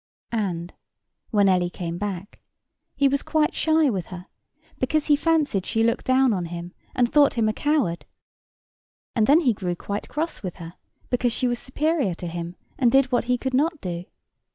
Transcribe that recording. And, when Ellie came back, he was shy with her, because he fancied she looked down on him, and thought him a coward. And then he grew quite cross with her, because she was superior to him, and did what he could not do.